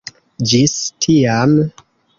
Ĝis tiam.